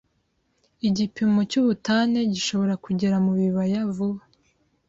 Igipimo cyubutane gishobora kugera mubibaya vuba.